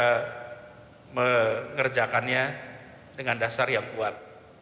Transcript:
kita mengerjakannya dengan dasar yang kuat